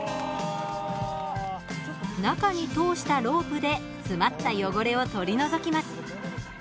中に通したロープで詰まった汚れを取り除きます。